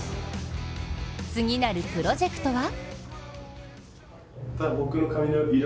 次なるプロジェクトは？